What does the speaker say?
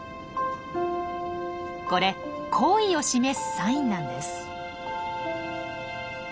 これ好意を示すサインなんです。